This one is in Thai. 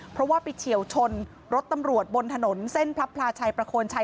เพราะว่าไปเฉียวชนรถตำรวจบนถนนเส้นพระพลาชัยประโคนชัย